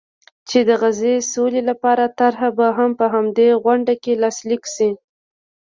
چې د غزې سولې لپاره طرحه به هم په همدې غونډه کې لاسلیک شي.